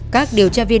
các điều tra viên